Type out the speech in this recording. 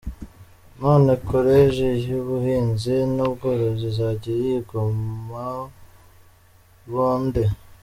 None koreji y’ ubuhinzi n’ ubworozi izajya yigamo ba nde?